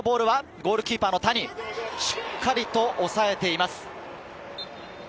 ゴールキーパーの谷、しっかりと抑えています。